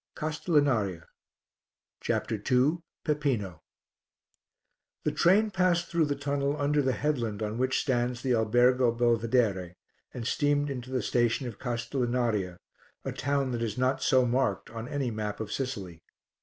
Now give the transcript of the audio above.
CASTELLINARIA CHAPTER II PEPPINO The train passed through the tunnel under the headland on which stands the Albergo Belvedere, and steamed into the station of Castellinaria, a town that is not so marked on any map of Sicily.